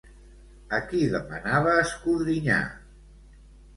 A qui demanava escodrinyar?